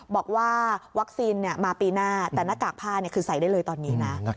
บอกว่าวัคซีนมาปีหน้าแต่หน้ากากผ้าคือใส่ได้เลยตอนนี้นะ